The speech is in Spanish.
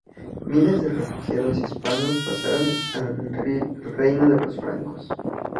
Miles de refugiados hispanos pasaron al reino de los francos.